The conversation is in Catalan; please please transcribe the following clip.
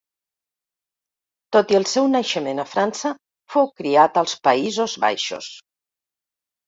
Tot i el seu naixement a França fou criat als Països Baixos.